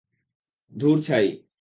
ধুর, ছাই!